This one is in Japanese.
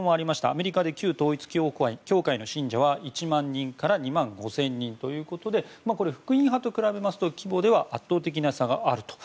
アメリカで旧統一教会の信者は１万人から２万５０００人ということで福音派と比べますと規模では圧倒的な差があると。